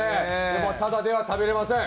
でも、ただでは食べれません